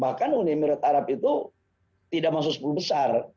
bahkan uni emirat arab itu tidak masuk sepuluh besar